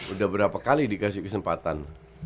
udah berapa kali dikasih kesempatan